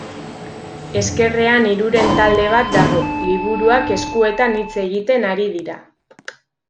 Ezkerrean hiruren talde bat dago, liburuak eskuetan hitz egiten ari dira.